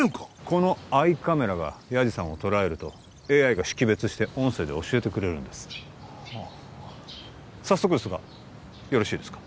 このアイカメラがヤジさんを捉えるとＡＩが識別して音声で教えてくれるんですはあ早速ですがよろしいですか？